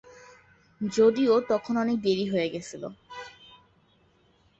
যদিও তখন অনেক দেরি হয়ে গেছিল।